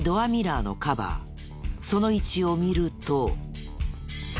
その位置を見ると。